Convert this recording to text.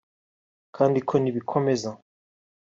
kandi ko nibikomeza